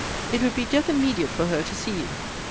It would be death immediate for her to see you.